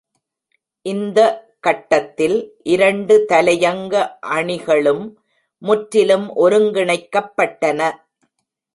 இந்த கட்டத்தில் இரண்டு தலையங்க அணிகளும் முற்றிலும் ஒருங்கிணைக்கப்பட்டன.